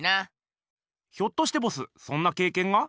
ひょっとしてボスそんなけいけんが？